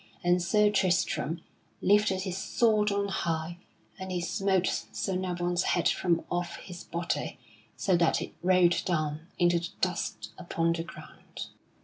And Sir Tristram lifted his sword on high and he smote Sir Nabon's head from off his body so that it rolled down into the dust upon the ground.